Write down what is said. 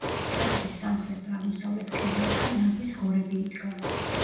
ტაძრის სამხრეთ და აღმოსავლეთ კედელთან ნაგვის გორები იდგა.